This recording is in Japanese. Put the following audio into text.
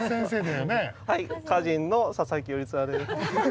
はい歌人の佐佐木頼綱です。